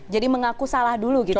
jadi mengaku salah dulu gitu ya